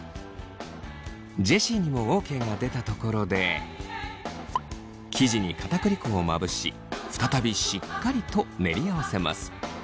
ジェシーにもＯＫが出たところで生地に片栗粉をまぶし再びしっかりと練り合わせます。